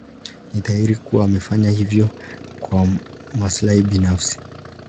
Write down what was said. Ni dhahiri kuwa amefanya hivyo kwa maslahi binafsi.